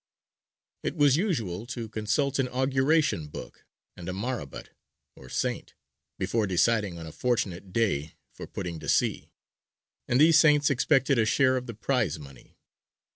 It was usual to consult an auguration book and a marabut, or saint, before deciding on a fortunate day for putting to sea, and these saints expected a share of the prize money.